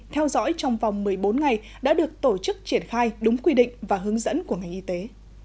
theo dõi trong vòng một mươi bốn ngày đã được tổ chức triển khai đúng quy định và hướng dẫn của ngành y tế